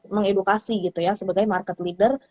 mengedukasi gitu ya sebagai market leader